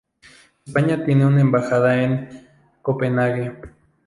España tiene una embajada en Copenhague.